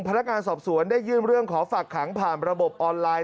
พนักงานสอบสวนได้ยื่นเรื่องขอฝากขังผ่านระบบออนไลน์